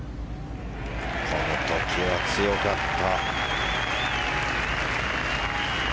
この時は強かった。